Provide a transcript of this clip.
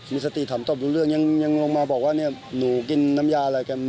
มีสติถามตอบรู้เรื่องยังลงมาบอกว่าเนี่ยหนูกินน้ำยาอะไรกัน